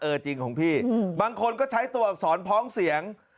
จริงของพี่บางคนก็ใช้ตัวอักษรพ้องเสียง